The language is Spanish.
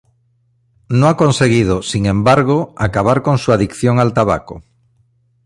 No ha conseguido, sin embargo, acabar con su adicción al tabaco.